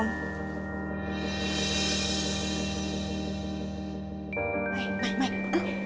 maik maik maik